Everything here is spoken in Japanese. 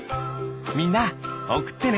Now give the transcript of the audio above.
みんなおくってね！